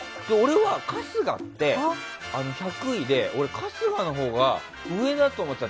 春日って１００位で俺は春日のほうが上だと思ってた。